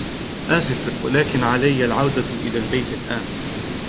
آسف، لكن علي العودة إلى البيت الآن.